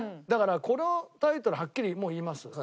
だからこのタイトルはっきりもう言います。